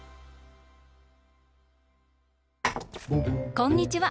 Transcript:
こんにちは。